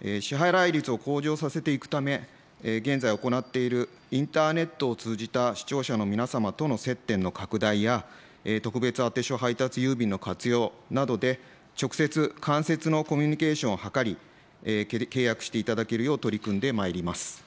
支払率を向上させていくため、現在行っているインターネットを通じた視聴者の皆様との接点の拡大や、特別あて所配達郵便の活用などで、直接、間接のコミュニケーションを図り、契約していただけるよう取り組んでまいります。